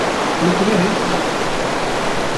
Nekkni d aytmaten.